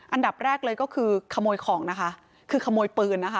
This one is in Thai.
อันดับแรกเลยก็คือขโมยของคือขโมยปืน